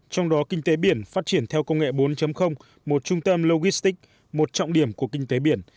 trong đó kinh tế biển phát triển theo công nghệ bốn một trung tâm logistic một trọng điểm của kinh tế biển